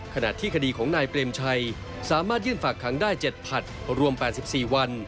ขณะที่คดีของนายเปรมชัยสามารถยื่นฝากขังได้๗ผลัดรวม๘๔วัน